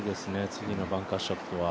次のバンカーショットは。